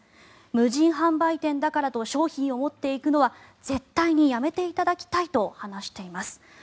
無人販売店だからと商品を持っていくのは絶対にやめていただきたいと話しています。